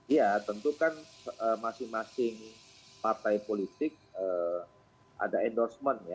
ya tentu kan masing masing partai politik ada endorsement